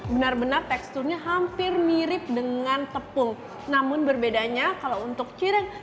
benar benar teksturnya hampir mirip dengan tepung namun berbedanya kalau untuk cireng